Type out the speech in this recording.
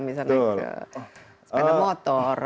misalnya ke sepeda motor